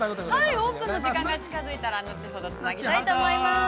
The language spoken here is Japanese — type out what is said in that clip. ◆オープンの時間が近づいたら後ほどつなぎたいと思います。